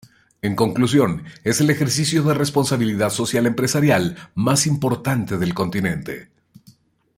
En conclusión es el ejercicio de responsabilidad social empresarial más importante del continente.